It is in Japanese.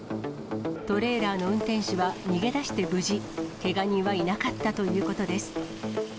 トレーラーの運転手は逃げ出して無事、けが人はいなかったということです。